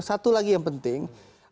satu lagi yang penting